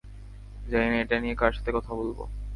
জানি না এটা নিয়ে কার সাথে কথা বলব।